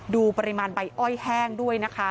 ดูปริมาณใบอ้อยแห้งด้วยนะคะ